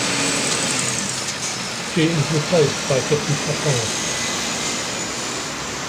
She is replaced by Jesse Chacon.